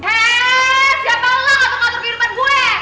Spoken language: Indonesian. heee siapa lo gak tau ngatur kehidupan gue